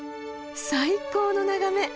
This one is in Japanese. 最高の眺め。